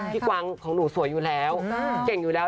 กวางของหนูสวยอยู่แล้วเก่งอยู่แล้ว